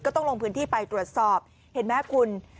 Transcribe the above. ต้องลงพื้นที่ไปตรวจสอบเห็นไหมคุณ